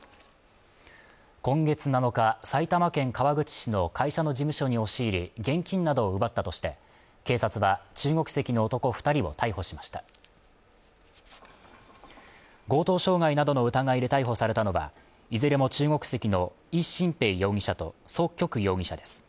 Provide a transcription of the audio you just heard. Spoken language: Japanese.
今月７日埼玉県川口市の会社の事務所に押し入り現金などを奪ったとして警察は中国籍の男二人を逮捕しました強盗傷害などの疑いで逮捕されたのはいずれも中国籍の伊振平容疑者と曽旭容疑者です